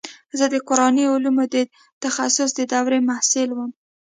زه د قراني علومو د تخصص د دورې محصل وم.